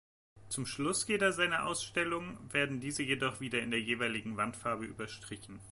Zum Schluss jeder seiner Ausstellung werden diese jedoch wieder in der jeweiligen Wandfarbe überstrichen.